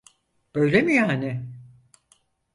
Böyle mi yani?